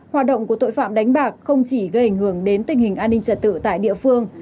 hoạt động của tội phạm đánh bạc không chỉ gây ảnh hưởng đến tình hình an ninh trật tự tại địa phương